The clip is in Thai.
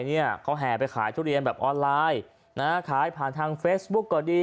เนี่ยเขาแห่ไปขายทุเรียนแบบออนไลน์นะขายผ่านทางเฟซบุ๊กก็ดี